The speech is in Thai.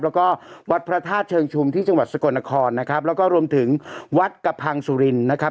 แล้วก็วัดพระธาตุเชิงชุมที่จังหวัดสกลนครนะครับแล้วก็รวมถึงวัดกระพังสุรินนะครับ